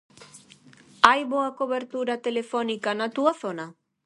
Hai boa cobertura telefónica na túa zona?